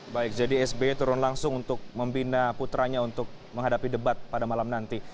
baik jadi sby turun langsung untuk membina putranya untuk menghadapi debat pada malam nanti